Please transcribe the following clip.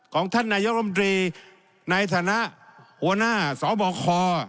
ของท่านนายกรมตรีในฐานะหัวหน้าสบค